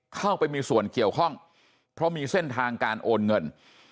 เข้าไปมีส่วนเกี่ยวข้องเพราะมีเส้นทางการโอนเงิน